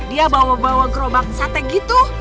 dia bawa bawa gerobak sate gitu